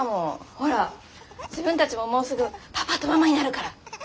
ほら自分たちももうすぐパパとママになるから。